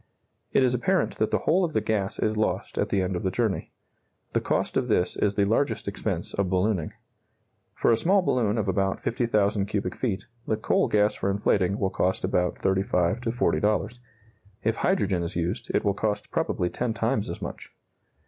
It is apparent that the whole of the gas is lost at the end of the journey. The cost of this is the largest expense of ballooning. For a small balloon of about 50,000 cubic feet, the coal gas for inflating will cost about $35 to $40. If hydrogen is used, it will cost probably ten times as much.